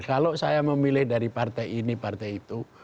kalau saya memilih dari partai ini partai itu